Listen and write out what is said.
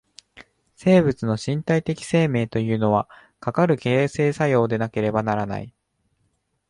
生物の身体的生命というのは、かかる形成作用でなければならない。